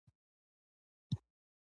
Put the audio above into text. مشروم د فنجي یو ډول دی